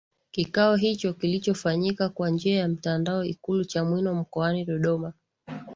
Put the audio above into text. Kikao hicho kilichofanyika kwa njia ya mtandao Ikulu Chamwino mkoani Dodoma